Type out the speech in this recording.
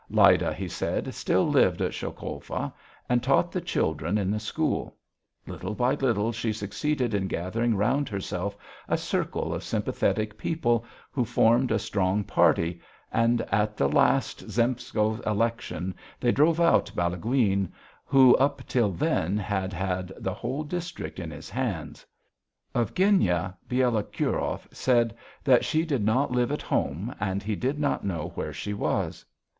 Lyda, he said, still lived at Sholkovka and taught the children in the school; little by little she succeeded in gathering round herself a circle of sympathetic people, who formed a strong party, and at the last Zemstvo election they drove out Balaguin, who up till then had had the whole district in his hands. Of Genya Bielokurov said that she did not live at home and he did not know where she was.